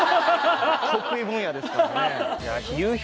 得意分野ですからね。